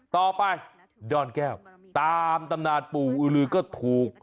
ต่อไปดอนแก้วตามตำนานปู่อื้อลือก็ถูก